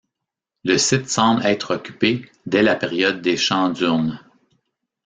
Le site semble être occupé dès la période des Champs d'Urnes.